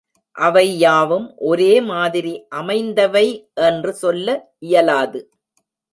அவை யாவும் ஒரே மாதிரி அமைந்தவை என்று சொல்ல இயலாது.